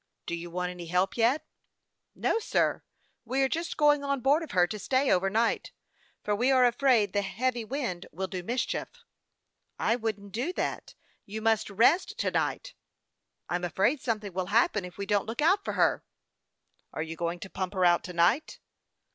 Do you want any help yet ?"" No, sir ; we are just going on board of her to stay over night, for we are afraid the heavy wind will do mischief." " I wouldn't do that. You must rest to night." " I'm afraid something will happen if we don't look out for her." " Are you going to pump her out to night